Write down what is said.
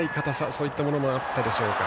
そういったものもあったでしょうか。